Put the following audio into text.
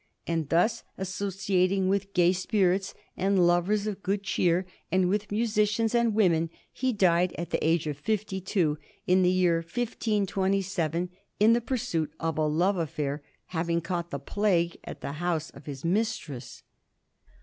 And thus, associating with gay spirits and lovers of good cheer, and with musicians and women, he died at the age of fifty two, in the year 1527, in the pursuit of a love affair, having caught the plague at the house of his mistress.